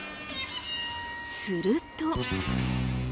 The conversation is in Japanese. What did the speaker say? すると。